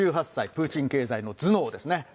５８歳、プーチン経済の頭脳ですね。